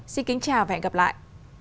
xin kính chào và hẹn gặp lại